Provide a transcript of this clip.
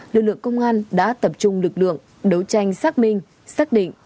lực lượng công an đã tập trung lực lượng đấu tranh xác minh xác định